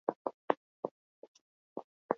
Tren konpainiak egindako beste greba baten irudia.